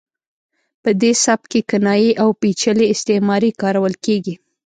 په دې سبک کې کنایې او پیچلې استعارې کارول کیږي